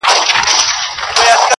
دا کیسه به په رباب کي شرنګېدله،